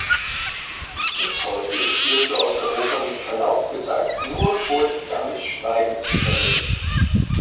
Bis heute ist hierzu aus Europa mit Verlaub gesagt nur furchtsames Schweigen zu vernehmen.